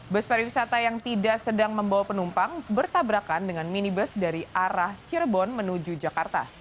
bus pariwisata yang tidak sedang membawa penumpang bertabrakan dengan minibus dari arah cirebon menuju jakarta